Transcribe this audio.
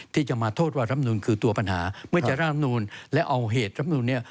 ที่จะมาโทษว่ารำนูนคือตัวปัญหาเมื่อจะร่างลำนูนและเอาเหตุรำนูนเนี่ย